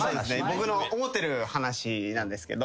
僕の思ってる話なんですけど。